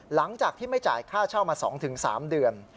หลังจากที่ไม่จ่ายค่าเช่ามา๒๓เดือน